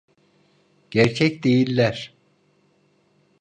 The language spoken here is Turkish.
Gerçek değiller.